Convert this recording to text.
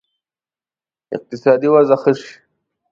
اقتصادي وضع ښه شي.